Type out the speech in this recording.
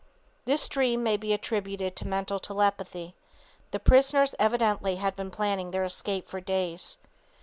This dream may be attributed to mental telepathy. The prisoners evidently have been planning their escape for days.